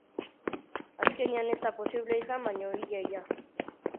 Azkenean ez da posible izan, baina ia-ia.